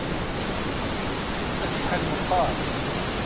Acḥal meqqer!